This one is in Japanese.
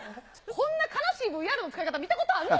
こんな悲しいＶＲの使い方、見たことあんの？